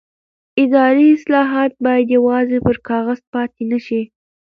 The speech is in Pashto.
اداري اصلاحات باید یوازې پر کاغذ پاتې نه شي